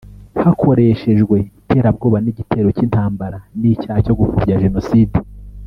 hakoreshejwe iterabwoba n’igitero cy’intambara n’icyaha cyo gupfobya Jenoside